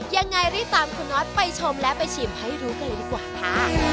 ยังไงรีบตามคุณน็อตไปชมและไปชิมให้รู้กันเลยดีกว่าค่ะ